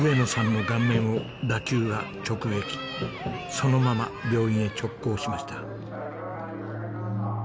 そのまま病院へ直行しました。